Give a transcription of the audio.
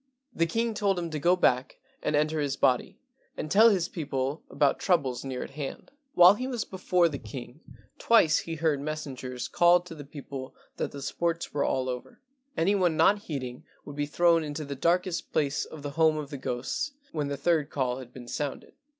The king told him to go back and enter his body and tell his people about troubles near at hand. While he was before the king twice he heard messengers call to the people that the sports were all over; any one not heeding would be thrown into the darkest place of the home of the ghosts when the third call had been sounded.